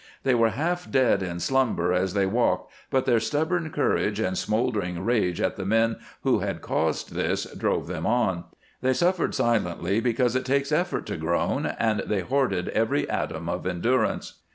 They were half dead in slumber as they walked, but their stubborn courage and smoldering rage at the men who had caused this drove them on. They suffered silently, because it takes effort to groan, and they hoarded every atom of endurance.